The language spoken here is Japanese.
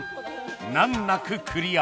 難なくクリア